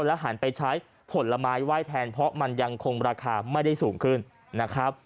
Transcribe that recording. หันไปใช้ผลไม้ไหว้แทนเพราะมันยังคงราคาไม่ได้สูงขึ้นนะครับ